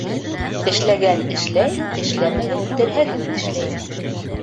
Эшләгән эшләй, эшләмәгән терһәген тешләй.